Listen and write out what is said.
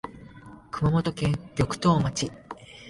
熊本県玉東町